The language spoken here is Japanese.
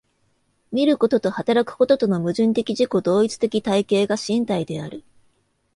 見ることと働くこととの矛盾的自己同一的体系が身体である。